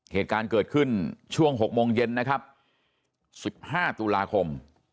เหตุการณ์เกิดขึ้นช่วง๖โมงเย็นนะครับ๑๕ตุลาคม